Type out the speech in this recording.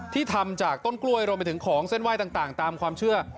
ทำจากต้นกล้วยรวมไปถึงของเส้นไหว้ต่างตามความเชื่อ